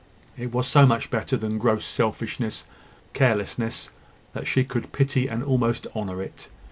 It was so much better than gross selfishness and carelessness, that she could pity and almost honour it.